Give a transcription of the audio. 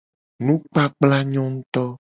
Nukpakpla nyo nguuto.